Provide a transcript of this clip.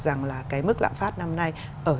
rằng là cái mức lạm phát năm nay